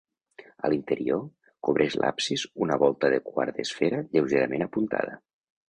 A l'interior, cobreix l'absis una volta de quart d'esfera lleugerament apuntada.